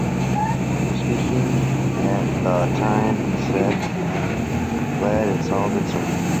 Speaking at the time he said I'm glad it's all been sorted.